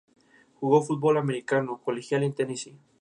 Las hembras tienen este aspecto aunque son más pequeñas.